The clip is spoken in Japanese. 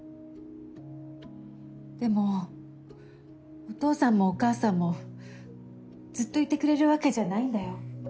でもお父さんもお母さんもずっといてくれるわけじゃないんだよ。